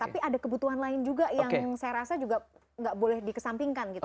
tapi ada kebutuhan lain juga yang saya rasa juga gak boleh di kesampingkan gitu